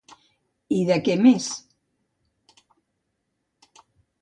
I de què més?